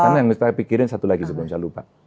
karena yang harus saya pikirin satu lagi sebelum saya lupa